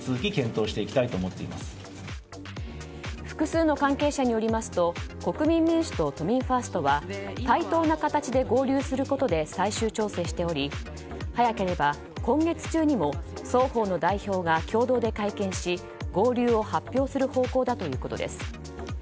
複数の関係者によりますと国民民主と都民ファーストは対等な形で合流することで最終調整しており早ければ今月中にも双方の代表が共同で会見し合流を発表する方向だということです。